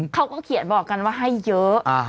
เขาก็เขียนบอกกันว่าให้เยอะ